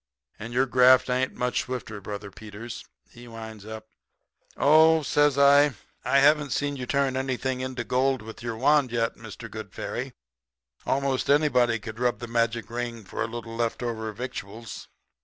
And your graft ain't much swifter, Brother Peters,' he winds up. "'Oh,' says I, 'I haven't seen you turn anything into gold with your wand yet, Mr. Good Fairy. 'Most anybody could rub the magic ring for a little left over victuals.'